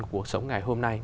của cuộc sống ngày hôm nay